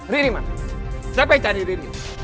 riri man siapa yang cari riri